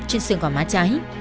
trên xương gỏ má cháy